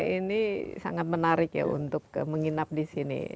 ini sangat menarik ya untuk menginap di sini